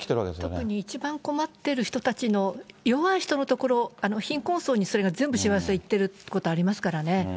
特に一番困ってる人たちの弱い人のところ、貧困層にそれが全部しわ寄せいってることありますからね。